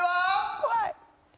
怖い！